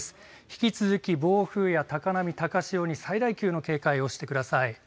引き続き暴風や高波、高潮に最大級の警戒をしてください。